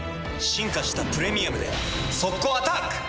進化した「プレミアム」で速攻アタック！